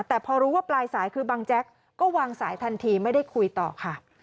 แต่พอรู้ว่าปลายสายคือบังแจ๊กก็วางสายทันทีไม่ได้คุยต่อค่ะ